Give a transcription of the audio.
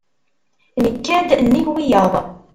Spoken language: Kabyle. Nekka-d nnig wiyaḍ.